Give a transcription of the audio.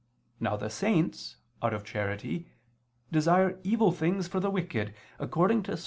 Now the saints, out of charity, desire evil things for the wicked, according to Ps.